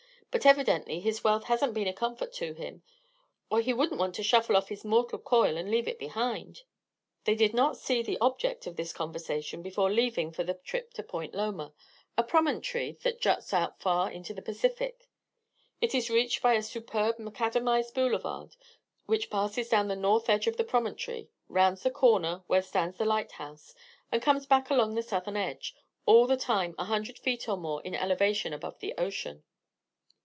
But evidently his wealth hasn't been a comfort to him, or he wouldn't want to shuffle off his mortal coil and leave it behind" They did not see the object of this conversation before leaving for the trip to Point Loma a promontory that juts out far into the Pacific. It is reached by a superb macadamized boulevard, which passes down the north edge of the promontory, rounds the corner where stands the lighthouse, and comes back along the southern edge, all the time a hundred feet or more in elevation above the ocean.